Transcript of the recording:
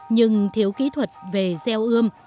nhưng thiếu kỹ thuật về gieo ươm